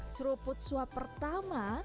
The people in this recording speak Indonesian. seruput suap pertama